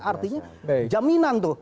artinya jaminan tuh